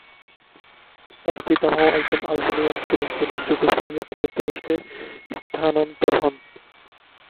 তার পিতামহ একজন আলবেনিয়ান ছিলেন যিনি যুগোস্লাভিয়া থেকে তুরস্কে স্থানান্তরিত হন।